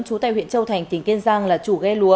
trú tại huyện châu thành tỉnh kiên giang là chủ ghe lúa